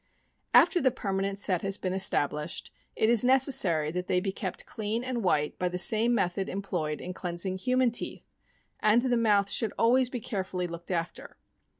447 After the permanent set has been established, it is nec essary that they be kept clean and white by the same method employed in cleansing human teeth, and the mouth should always be carefully looked after.